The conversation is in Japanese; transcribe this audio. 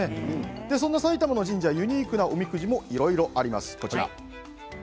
その埼玉の神社ユニークなおみくじもいろいろあります。